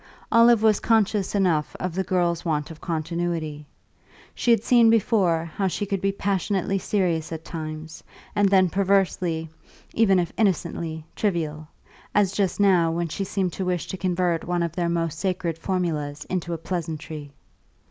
Olive was conscious enough of the girl's want of continuity; she had seen before how she could be passionately serious at times, and then perversely, even if innocently, trivial as just now, when she seemed to wish to convert one of their most sacred formulas into a pleasantry.